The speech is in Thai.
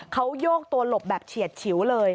เขาโยกตัวหลบแบบเฉียดฉิวเลย